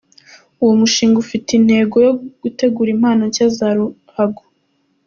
Uwo mushinga ufite intego yo gutegura impano nshya za ruhago.